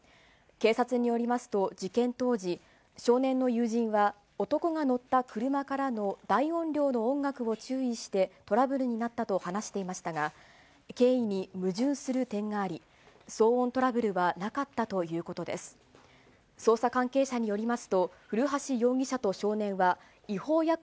警察によりますと、事件当時、少年の友人は、男が乗った車からの大音量の音楽を注意してトラブルになったと話していましたが、経緯に矛盾する点があり、騒音トラブルはなかったということです。